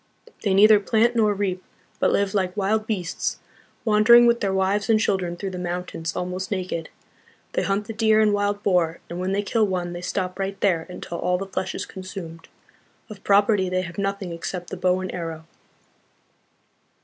They neither plant nor reap, but live like wild beasts, wandering with their wives and children through the mountains, almost naked. They hunt the deer and wild boar, and when they kill one they stop right there until all the flesh is consumed. Of property they have nothing except the bow and arrow."